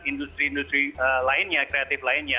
industri industri kreatif lainnya